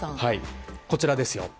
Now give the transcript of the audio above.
こちらですよ。